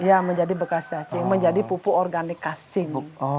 ya menjadi bekas cacing menjadi pupuk organik cacing